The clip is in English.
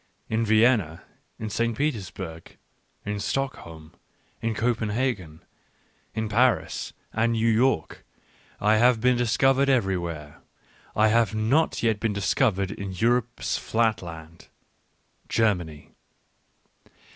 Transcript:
In Vienna, in St Petersburg, u in Stockholm, in Copenhagen, in Paris, and New ^ York — I have been discovered everywhere : I have I not yet been discovered in Europe's flatland —\ Germany.